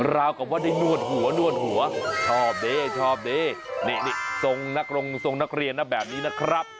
ราวกับว่าได้นวดหัวชอบดินี่ทรงนักเรียนน่ะแบบนี้นะครับ